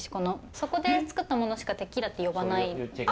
そこで造ったものしかテキーラって呼ばないんですよ。